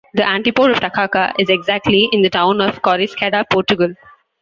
The antipode of Takaka is exactly in the town of Coriscada, Portugal.